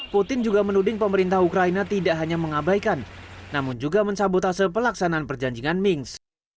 putin juga menuding pemerintah ukraina tidak hanya mengabaikan namun juga mensabotase pelaksanaan perjanjian mings